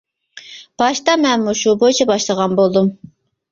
باشتا مەنمۇ شۇ بويىچە باشلىغان بولدۇم.